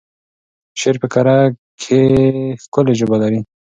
شعر په کره کېښکلې ژبه لري.